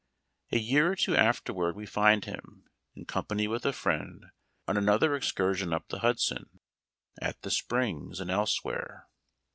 A year or two afterward we find him, in com pany with a friend, on another excursion up the Hudson — at the Springs, and elsewhere.